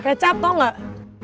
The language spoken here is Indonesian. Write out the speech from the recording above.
ketat tau gak